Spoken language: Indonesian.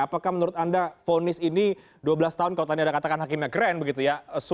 apakah menurut anda fonis ini dua belas tahun kalau tadi ada katakan hakimnya keren begitu ya